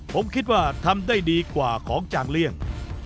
ผมคิดว่าทำได้ดีกว่าของจางเลี่ยง